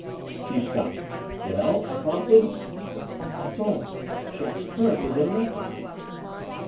She stopped. "Well?" I prompted. "That's all. Shac's current was interrupted."